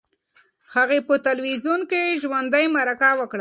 هغې په تلویزیون کې ژوندۍ مرکه وکړه.